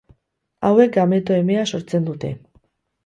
Hauek, gameto emea sortzen dute.